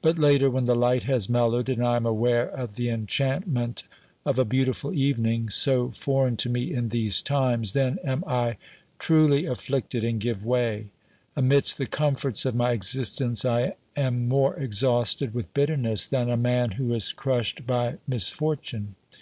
But later, when the light has mellowed, and I am aware of the enchantment of a beauti ful evening, so foreign to me in these times, then am I truly afifiicted and give way; amidst the comforts of my existence I am more exhausted with bitterness than a man who is crushed by misfortune.